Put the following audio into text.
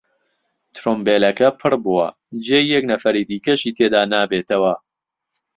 تڕومبێلەکە پڕ بووە، جێی یەک نەفەری دیکەشی تێدا نابێتەوە.